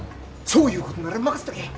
そういうことなら任せとけ。